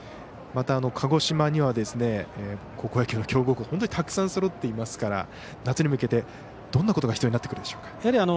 また鹿児島には高校野球の強豪校本当にたくさんそろってますから夏に向けてどんなことが必要になってくるでしょう？